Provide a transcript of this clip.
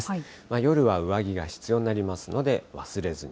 夜は上着が必要になりますので、忘れずに。